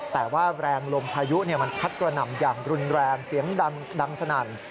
แต่ว่าแรงลมพายุมันพัดกระหน่ำอย่างรุนแรงเสียงดังสนั่น